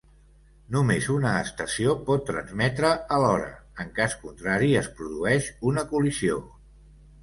Només una estació pot transmetre alhora, en cas contrari, es produeix una col·lisió.